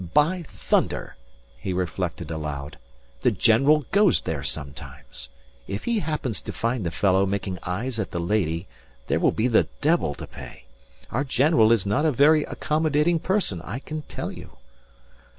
"By thunder!" he reflected aloud. "The general goes there sometimes. If he happens to find the fellow making eyes at the lady there will be the devil to pay. Our general is not a very accommodating person, I can tell you."